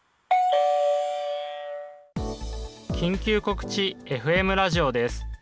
緊急告知ＦＭラジオです。